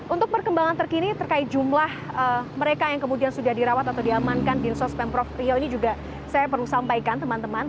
untuk perkembangan terkini terkait jumlah mereka yang kemudian sudah dirawat atau diamankan di sos pemprov riau ini juga saya perlu sampaikan teman teman